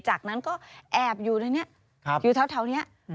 จากนั้นก็แอบอยู่ในนี้อยู่แถวนี้